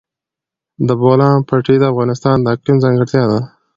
د بولان پټي د افغانستان د اقلیم ځانګړتیا ده.